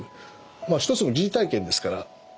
まあ一つの疑似体験ですから。